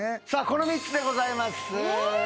この３つでございます。